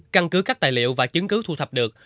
căn cứ các tài liệu và chứng cứ thu thập được